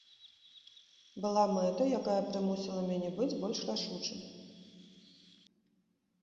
Была мэта, якая прымусіла мяне быць больш рашучым.